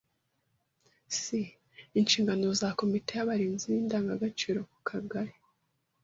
c. Inshingano za komite y’Abarinzi b’Indangagaciro ku Kagari